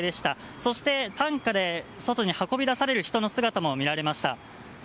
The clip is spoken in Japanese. そして、担架で外に運び出される人の姿も見られました。